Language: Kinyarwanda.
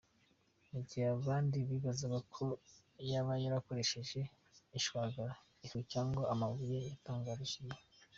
Mu gihe abandi bibazaga ko yaba yarakoresheje ishwagara, ifu cyangwa amabuye, yatangarije igihe.